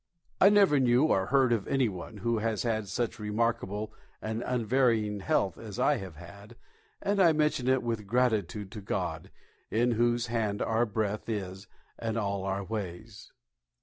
I never knew or heard of anyone who has had such remarkable and unvarying health as I have had, and I mention it with gratitude to God, in whose "hand our breath is, and all our ways."